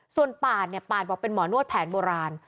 ส่วนปาดเนี่ยปาดบอกเป็นหมอนวดแผนโบราณ